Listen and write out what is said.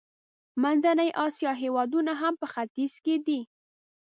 منځنۍ اسیا هېوادونه هم په ختیځ کې دي.